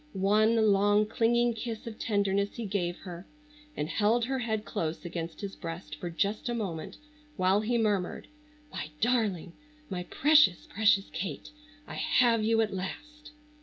One long clinging kiss of tenderness he gave her and held her head close against his breast for just a moment while he murmured: "My darling! My precious, precious Kate, I have you at last!"